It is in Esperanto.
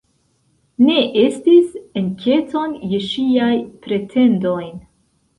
Ne estis enketon je ŝiajn pretendojn.